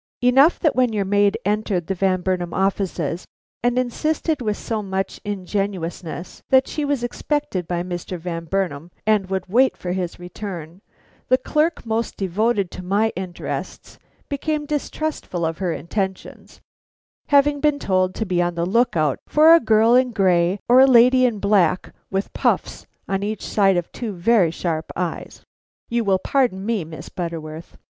Enough that when your maid entered the Van Burnam offices and insisted with so much ingenuousness that she was expected by Mr. Van Burnam and would wait for his return, the clerk most devoted to my interests became distrustful of her intentions, having been told to be on the look out for a girl in gray or a lady in black with puffs on each side of two very sharp eyes. You will pardon me, Miss Butterworth.